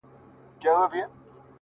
هغې ويل ه نور دي هيڅ په کار نه لرم”